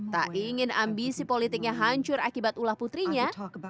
tak ingin ambisi politiknya hancur akibat ulah putrinya